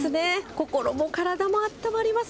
心も体もあったまります。